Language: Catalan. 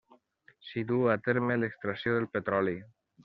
S'hi duu a terme l'extracció de petroli.